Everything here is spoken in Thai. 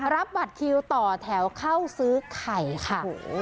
รับบัตรคิวต่อแถวเข้าซื้อไข่ค่ะ